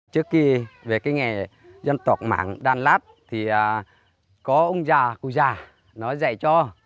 trước kia về cái nghề dân tộc mạng đan lát thì có ông già cụ già nó dạy cho